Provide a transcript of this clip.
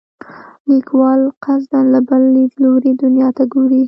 لیکوال قصدا له بل لیدلوري دنیا ته ګوري.